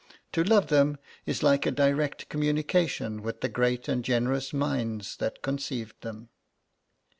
To love them is like a direct communication with the great and generous minds that conceived them.